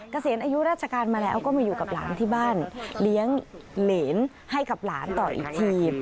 เกษียณอายุราชการมาแล้วก็มาอยู่กับหลานที่บ้านเลี้ยงเหรนให้กับหลานต่ออีกที